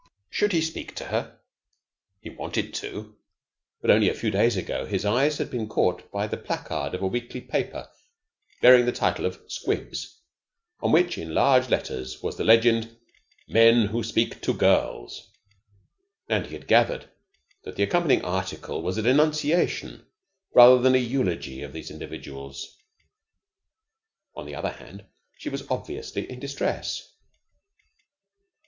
Should he speak to her? He wanted to; but only a few days ago his eyes had been caught by the placard of a weekly paper bearing the title of 'Squibs,' on which in large letters was the legend "Men Who Speak to Girls," and he had gathered that the accompanying article was a denunciation rather than a eulogy of these individuals. On the other hand, she was obviously in distress.